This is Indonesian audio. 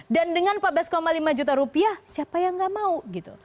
dan dengan empat belas lima juta rupiah siapa yang gak mau